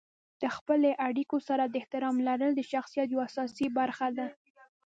د خپلې اړیکو سره د احترام لرل د شخصیت یوه اساسي برخه ده.